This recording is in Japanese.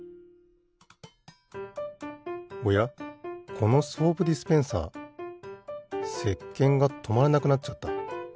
このソープディスペンサーせっけんがとまらなくなっちゃった。